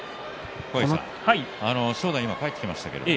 正代が帰ってきました。